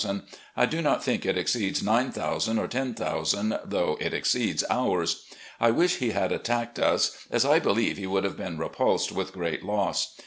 I do not think it exceeds 9,000 or 10,000, though it exceeds ours. I wish he had attacked us, as I believe he would have been repulsed with great loss.